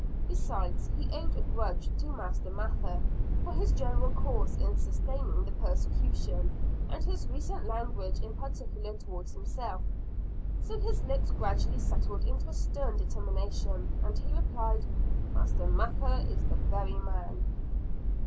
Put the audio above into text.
Besides, he owed a grudge to Master Mather, for his general course in sustaining the persecution, and his recent language in particular towards himself. So his lips gradually settled into a stern determination, and he replied "Master Mather is the very man."